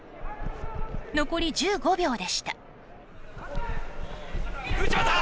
残り１５秒でした。